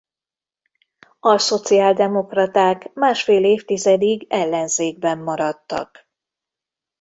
A szociáldemokraták másfél évtizedig ellenzékben maradtak.